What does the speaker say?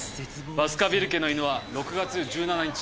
『バスカヴィル家の犬』は６月１７日